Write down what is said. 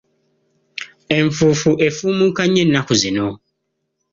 Enfuufu efuumuuka nnyo ennaku zino.